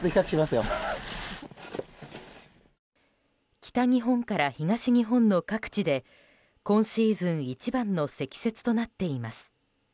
北日本から東日本の各地で今シーズン一番の積雪となっています。